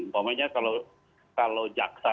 maksudnya kalau jaksa